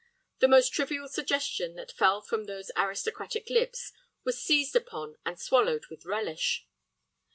The most trivial suggestion that fell from those aristocratic lips was seized upon and swallowed with relish.